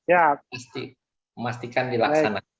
pasti memastikan dilaksanakan